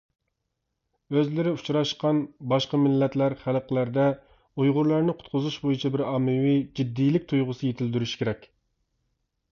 ئۆزلىرى ئۇچراشقان باشقا مىللەتلەر، خەلقلەردە ئۇيغۇرلارنى قۇتقۇزۇش بويىچە بىر ئاممىۋى جىددىيلىك تۇيغۇسى يېتىلدۈرۈشى كېرەك.